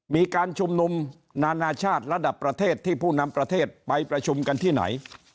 มีการชุมนุมนานาชาติระดับประเทศที่ผู้นำประเทศไปประชุมกันที่ไหน